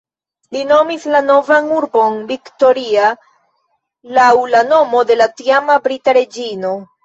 Li nomis la novan urbon Victoria laŭ la nomo de la tiama brita reĝino.